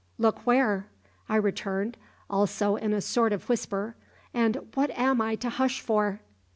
"`Look where?' I returned, also in a sort of whisper; `and what am I to hush for?'